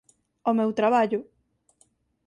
O meu traballo.